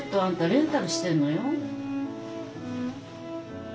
レンタルしてんのよ。